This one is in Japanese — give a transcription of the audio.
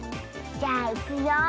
じゃあいくよ。